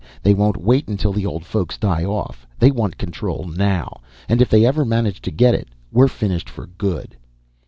They won't wait until the old folks die off. They want control now. And if they ever manage to get it, we're finished for good."